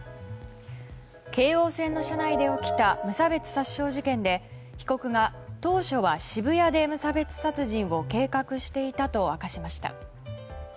京王線の車内で起きた無差別殺傷事件で被告が当初は渋谷で無差別殺人を計画していたと明かしました。